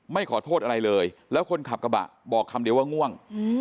ไม่ขอโทษอะไรเลยแล้วคนขับกระบะบอกคำเดียวว่าง่วง